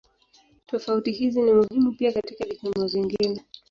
Tofauti hizi ni muhimu pia katika vipimo vingine.